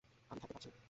আমি থাকতে পারছি না।